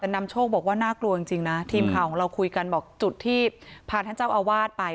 แต่นำโชคบอกว่าน่ากลัวจริงนะทีมข่าวของเราคุยกันบอกจุดที่พาท่านเจ้าอาวาสไป